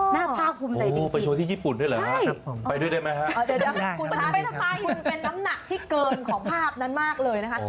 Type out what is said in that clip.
หน้าภาพคุมใจจริงค่ะใช่ไปด้วยได้ไหมครับคุณเป็นน้ำหนักที่เกินของภาพนั้นมากเลยนะคะ